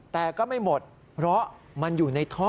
แต่ก็ไม่หมดเพราะมันอยู่ในท่อ